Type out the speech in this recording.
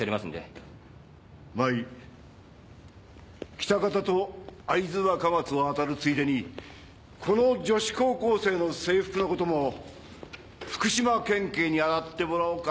喜多方と会津若松を当たるついでにこの女子高校生の制服のことも福島県警に洗ってもらおうか。